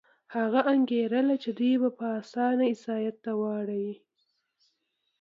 هغه انګېرله چې دوی به په اسانه عیسایت ته واوړي.